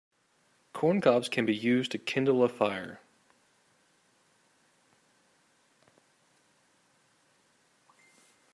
Corn cobs can be used to kindle a fire.